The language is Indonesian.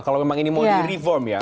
kalau memang ini mau di reform ya